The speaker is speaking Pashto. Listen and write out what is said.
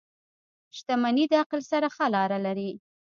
• شتمني د عقل سره ښه لاره لري.